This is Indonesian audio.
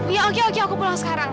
iya oke oke aku pulang sekarang